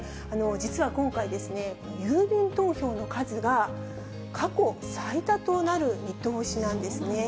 実は今回ですね、郵便投票の数が過去最多となる見通しなんですね。